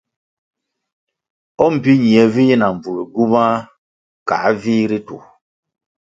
O mbpi ñie vi kuga na gywumā kāa vih ritu.